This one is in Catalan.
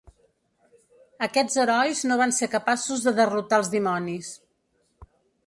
Aquests herois no van ser capaços de derrotar els dimonis.